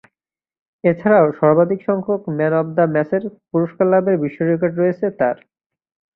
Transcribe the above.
এছাড়াও, সর্বাধিকসংখ্যক man of the ম্যাচের পুরস্কার লাভের বিশ্বরেকর্ড রয়েছে তার।